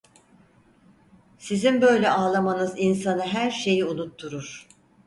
Sizin böyle ağlamanız insana her şeyi unutturur.